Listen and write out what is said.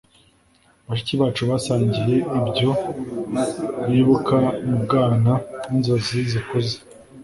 bashiki bacu basangiye ibyo bibuka mu bwana n' inzozi zikuze